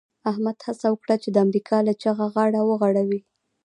احمد هڅه وکړه چې د امریکا له جغه غاړه وغړوي.